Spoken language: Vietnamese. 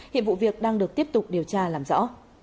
hiện vụ việc đang được tiếp tục điều tra làm rõ